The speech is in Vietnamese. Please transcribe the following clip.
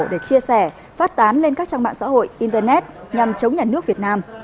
để chia sẻ phát tán lên các trang mạng xã hội internet nhằm chống nhà nước việt nam